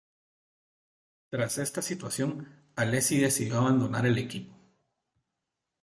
Tras está situación Alesi decidió abandonar el equipo.